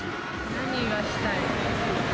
何がしたい？